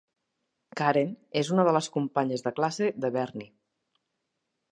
Karen: és una de les companyes de classe de Bernie.